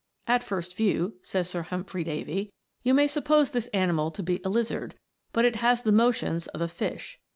" At first view," says Sir Humphry Davy, "you might sup pose this animal to be a lizard, but it has the motions of a fish.